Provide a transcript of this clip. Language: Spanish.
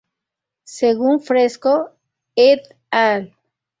Según Fresco "et al.